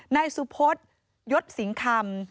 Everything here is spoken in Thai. นายสุพจน์ยอดศิงคำ